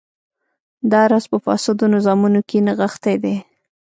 دا راز په فاسدو نظامونو کې نغښتی دی.